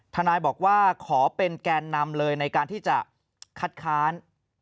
ทนายบอกว่าขอเป็นแกนนำเลยในการที่จะคัดค้าน